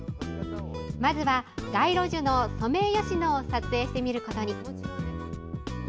まずは街路樹のソメイヨシノを撮影してみることに。